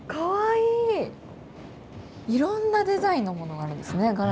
いろんなデザインのものがあるんですね柄。